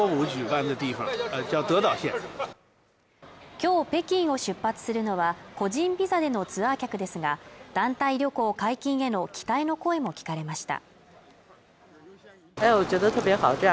今日北京を出発するのは個人ビザでのツアー客ですが団体旅行の解禁への期待の声も聞かれました